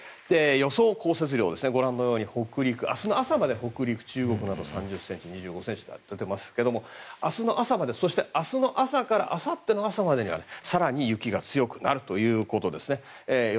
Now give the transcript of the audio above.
予想降雪量、ご覧のように明日の朝まで北陸や中国などでは３０ｃｍや２５ｃｍと出ていますけれども明日の朝からあさっての朝までには更に雪が強くなるということですね。